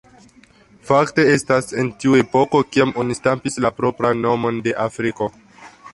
Fakte estas en tiu epoko kiam oni stampis la propran nomon de Afriko.